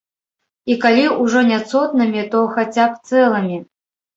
І калі ўжо няцотнымі, то хаця б цэлымі.